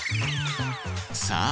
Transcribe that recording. さあ